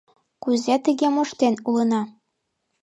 Кузе тыге моштен улына?